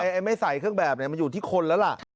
ไอไอไม่ใส่เครื่องแบบเนี่ยมันอยู่ที่คนแล้วล่ะ